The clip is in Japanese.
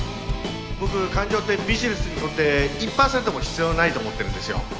僕感情ってビジネスにとって１％も必要ないと思ってるんですよ